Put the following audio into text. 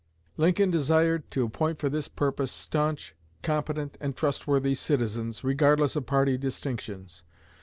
Lincoln desired to appoint for this purpose stanch, competent, and trustworthy citizens, regardless of party distinctions.